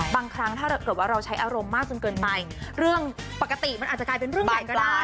บางครั้งถ้าเกิดว่าเราใช้อารมณ์มากจนเกินไปเรื่องปกติมันอาจจะกลายเป็นเรื่องใหญ่ก็ได้